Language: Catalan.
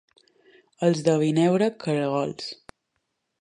Els de Vinebre, caragols.